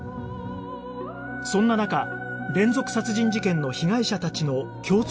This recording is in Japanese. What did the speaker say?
そんな中連続殺人事件の被害者たちの共通点が見つかる